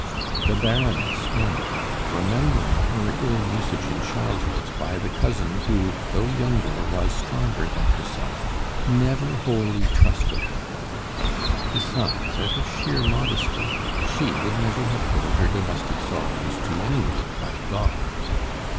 The Baroness only, remembering her ill usage in childhood by the cousin who, though younger, was stronger than herself, never wholly trusted her. Besides, out of sheer modesty, she would never have told her domestic sorrows to any one but God.